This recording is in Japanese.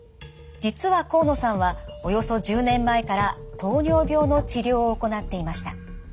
実は河野さんはおよそ１０年前から糖尿病の治療を行っていました。